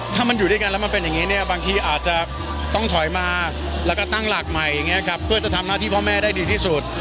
ถ้ามันอยู่ด้วยกันแล้วมันเป็นอย่างนี้เนี่ยบางทีอาจจะต้องถอยมาแล้วก็ตั้งหลักใหม่อย่างนี้ครับเพื่อจะทำหน้าที่พ่อแม่ได้ดีที่สุด